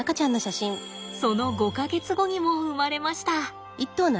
その５か月後にも生まれました。